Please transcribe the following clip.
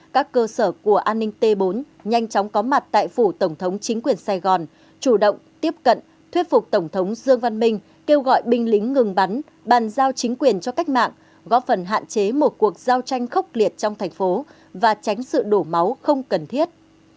các cơ sở của an ninh t bốn nhanh chóng có mặt tại phủ tổng thống chính quyền sài gòn chủ động tiếp cận thuyết phục tổng thống dương văn minh kêu gọi binh lính ngừng bắn bàn giao chính quyền cho cách mạng góp phần hạn chế một cuộc giao tranh khốc liệt trong thành phố và tránh sự đổ máu không cần thiết